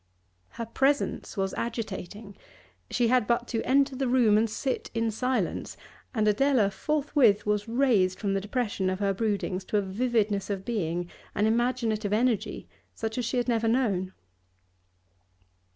Her presence was agitating; she had but to enter the room and sit in silence, and Adela forthwith was raised from the depression of her broodings to a vividness of being, an imaginative energy, such as she had never known.